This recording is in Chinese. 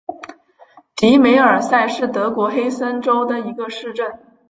迪梅尔塞是德国黑森州的一个市镇。